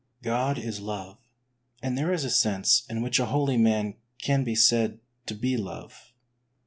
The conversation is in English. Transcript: God is love, and there is a sense in w^hich a holy man can be said to be love.